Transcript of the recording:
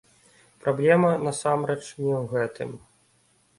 Праблема, насамрэч, не ў гэтым.